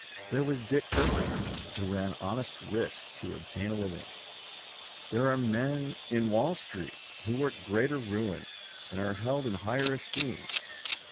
There was Dick Turpin, who ran honest risks to obtain a living; there are men in Wall Street who work greater ruin, and are held in higher esteem.